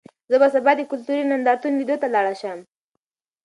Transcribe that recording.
زه به سبا د کلتوري نندارتون لیدو ته لاړ شم.